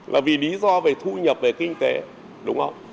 là vì lý do về thu nhập về kinh tế đúng không